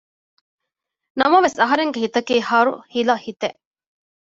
ނަމަވެސް އަހަރެންގެ ހިތަކީ ހަރުހިލަ ހިތެއް